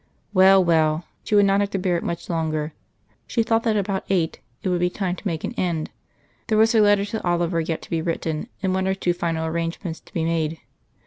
Well, well; she would not have to bear it much longer; she thought that about eight it would be time to make an end. There was her letter to Oliver yet to be written; and one or two final arrangements to be made.